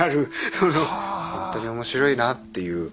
ほんとに面白いなっていう。